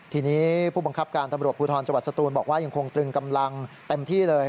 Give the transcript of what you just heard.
ทีนี้ผู้บังคับการตำรวจภูทรจังหวัดสตูนบอกว่ายังคงตรึงกำลังเต็มที่เลย